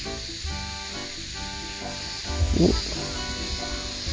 おっ。